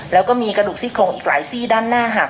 แล้วก็มีกระดูกซี่โครงอีกหลายซี่ด้านหน้าหัก